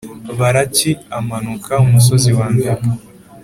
Baraki amanuka umusozi wambere